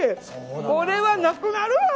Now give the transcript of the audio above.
これはなくなるわ。